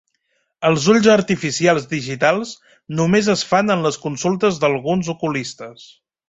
Els ulls artificials digitals només es fan en les consultes d'alguns oculistes.